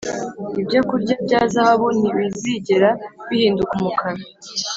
ibyokurya bya zahabu ntibizigera bihinduka umukara